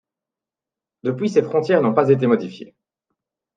Depuis, ses frontières n'ont pas été modifiées.